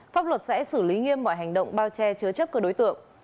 pháp luật sẽ xử lý nghiêm mọi hành động bao che chứa chấp các đối tượng